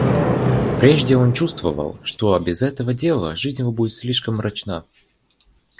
Прежде он чувствовал, что без этого дела жизнь его будет слишком мрачна.